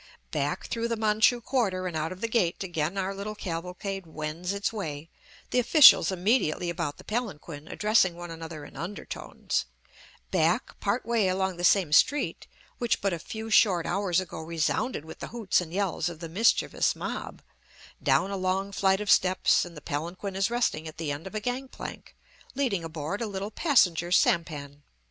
Back through the Manchu quarter and out of the gate again our little cavalcade wends its way, the officials immediately about the palanquin addressing one another in undertones; back, part way along the same street which but a few short hours ago resounded with the hoots and yells of the mischievous mob, down a long flight of steps, and the palanquin is resting at the end of a gang plank leading aboard a little passenger sampan.